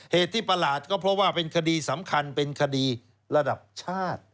เหตุที่ประหลาดก็เพราะว่าเป็นคดีสำคัญเป็นคดีระดับชาติ